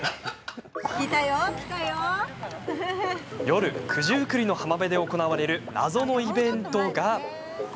夜、九十九里の浜辺で行われる謎のイベントが。